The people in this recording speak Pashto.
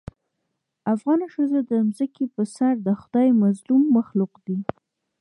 افغانه ښځه د ځمکې په سر دخدای مظلوم مخلوق دې